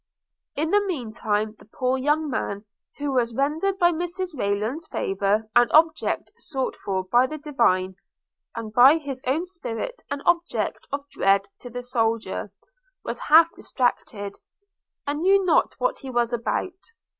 In the mean time the poor young man, who was rendered by Mrs Rayland's favour an object sought for by the divine, and by his own spirit an object of dread to the soldier, was half distracted, and knew not what he was about.